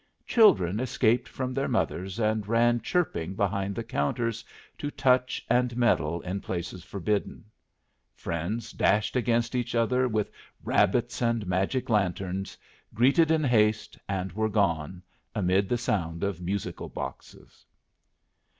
Children escaped from their mothers and ran chirping behind the counters to touch and meddle in places forbidden. Friends dashed against each other with rabbits and magic lanterns, greeted in haste, and were gone, amid the sound of musical boxes.